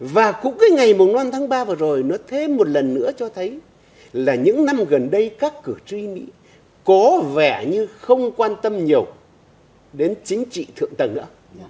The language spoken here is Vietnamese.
và cũng cái ngày năm tháng ba vừa rồi nó thêm một lần nữa cho thấy là những năm gần đây các cử tri mỹ có vẻ như không quan tâm nhiều đến chính trị thượng tầng nữa